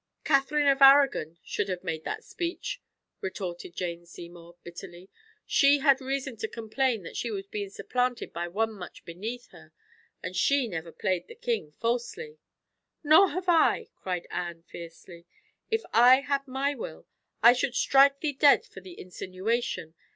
"Catherine of Arragon should have made that speech," retorted Jane Seymour bitterly. "She had reason to complain that she was supplanted by one much beneath her. And she never played the king falsely." "Nor have I!" cried Anne fiercely. "If I had my will, I should strike thee dead for the insinuation.